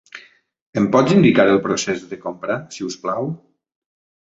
Em pots indicar el procés de compra, si us plau?